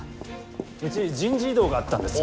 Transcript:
うち人事異動があったんですよ。